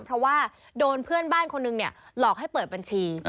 เพราะว่าโดนเพื่อนบ้านคนหนึ่งเนี่ยหลอกให้เปิดบัญชี